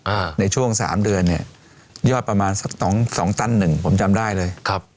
อ่าในช่วงสามเดือนเนี้ยยอดประมาณสักสองสองตันหนึ่งผมจำได้เลยครับ